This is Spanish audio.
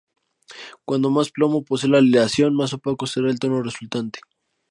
Cuanto más plomo posee la aleación, más opaco será el tono resultante.